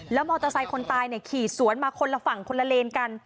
มอเตอร์ไซค์คนตายขี่สวนมาคนละฝั่งคนละเลนกัน